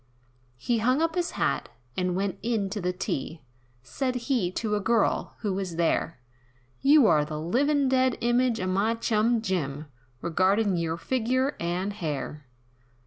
He hung up his hat, and went in to the tea, Said he to a girl, who was there, "You're the livin' dead image of my chum Jim, Regardin' yer figure, and hair."